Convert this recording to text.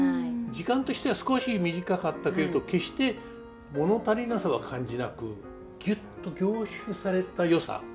時間としては少し短かったけれど決して物足りなさは感じなくギュッと凝縮されたよさ。